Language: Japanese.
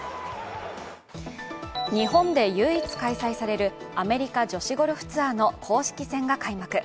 日本で唯一開催されるアメリカ女子ゴルフツアーの公式戦が開幕。